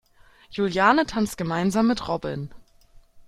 Juliane tanzt gemeinsam mit Robin.